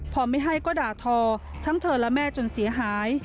พอไม่ให้ก็ด่าทอทั้งเธอและแม่จนเสียหาย